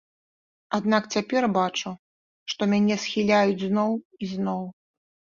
Аднак цяпер бачу, што мяне схіляюць зноў і зноў.